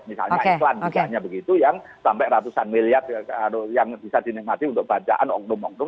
misalnya iklan misalnya begitu yang sampai ratusan miliar yang bisa dinikmati untuk bacaan oknum oknum